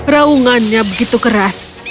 raungannya begitu keras